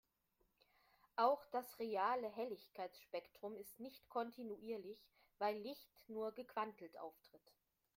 Auch das reale Helligkeitsspektrum ist nicht kontinuierlich, weil Licht nur gequantelt auftritt.